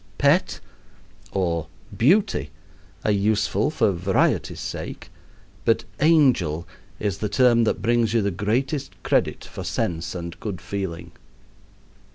"Pet" or "beauty" are useful for variety's sake, but "angel" is the term that brings you the greatest credit for sense and good feeling.